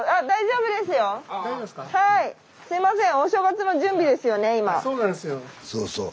大丈夫ですか？